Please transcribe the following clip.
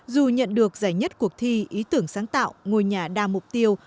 dù nhận được giải nhất cuộc thi ý tưởng sáng tạo ngôi nhà đa mục tiêu